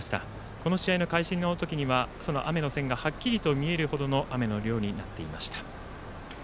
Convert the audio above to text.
この試合の開始の時には雨の線がはっきりと見えるほどの雨の量になっていました。